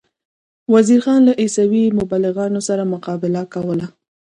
وزیر خان له عیسوي مبلغانو سره مقابله کوله.